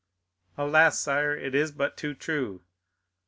"Alas, sire, it is but too true!"